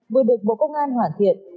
vừa được bộ công an hoàn thiện